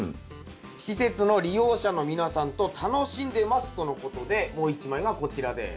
「施設の利用者の皆さんと楽しんでます」とのことでもう一枚がこちらです。